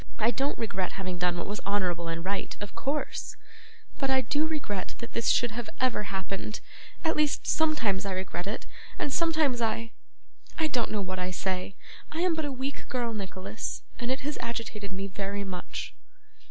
'I don't regret having done what was honourable and right, of course; but I do regret that this should have ever happened at least sometimes I regret it, and sometimes I I don't know what I say; I am but a weak girl, Nicholas, and it has agitated me very much.